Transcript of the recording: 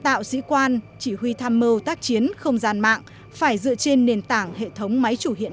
tạo sĩ quan chỉ huy tham mưu tác chiến không gian mạng phải dựa trên nền tảng hệ thống máy chủ hiện